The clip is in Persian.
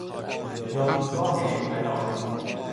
دادگاه انقلاب